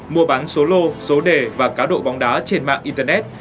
mua bán số lô số đề và cá độ bóng đá trên mạng internet